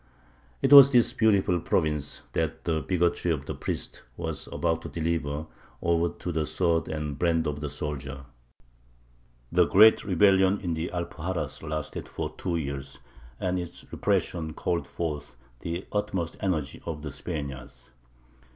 " It was this beautiful province that the bigotry of the priest was about to deliver over to the sword and brand of the soldier. The great rebellion in the Alpuxarras lasted for two years, and its repression called forth the utmost energy of the Spaniards.